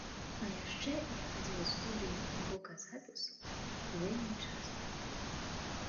А яшчэ я хадзіў у студыю гуказапісу, вельмі часта.